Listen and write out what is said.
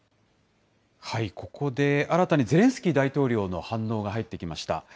ここで、新たにゼレンスキー大統領の反応が入ってきました。